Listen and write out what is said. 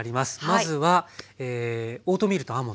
まずはオートミールとアーモンド。